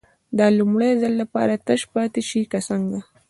د لومړي ځل لپاره تش پاتې شي که څنګه.